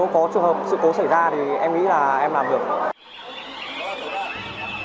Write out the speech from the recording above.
có trường hợp sự cố xảy ra thì em nghĩ là em làm được